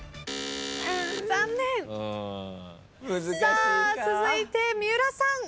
さあ続いて三浦さん。